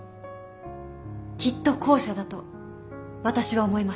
きっと後者だと私は思います。